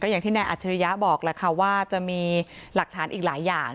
อย่างที่แนนอาจริยะบอกว่าจะมีหลักฐานอีกหลายอย่าง